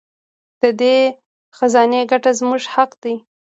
د دې خزانې ګټه زموږ حق دی.